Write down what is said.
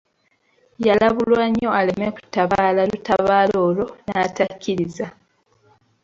Yalabulwa nnyo aleme kutabaala lutabaalo olwo n'atakkiriza.